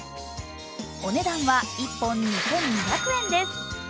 お値段は１本２２００円です。